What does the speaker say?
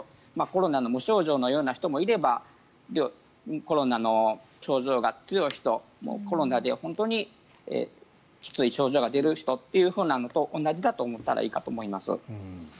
コロナの無症状のような人もいればコロナの症状が強い人もコロナで本当にきつい症状が出る人っていうのと同じだと思ったらいいかと思います。